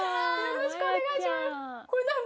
よろしくお願いします。